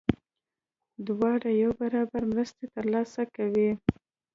دواړه یو برابر مرستې ترلاسه کوي.